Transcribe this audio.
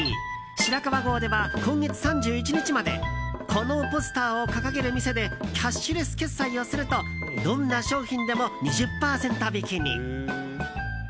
白川郷では今月３１日までこのポスターを掲げる店でキャッシュレス決済をするとどんな商品でも２０％引きに。